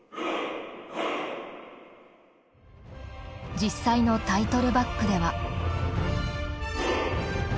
実際のタイトルバックでは。